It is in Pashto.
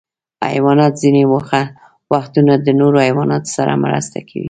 حیوانات ځینې وختونه د نورو حیواناتو سره مرسته کوي.